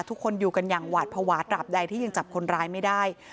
ทุกคนอยู่กันอย่างหวาดภาวะตราบใดที่ยังจับคนร้ายไม่ได้